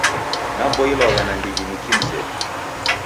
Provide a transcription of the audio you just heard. Naboilwagha nandighi ni kimzedu.